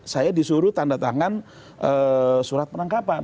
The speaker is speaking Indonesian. saya disuruh tanda tangan surat penangkapan